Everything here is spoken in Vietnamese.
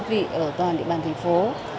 đơn vị ở toàn địa bàn thành phố